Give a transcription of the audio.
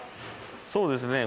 そうですね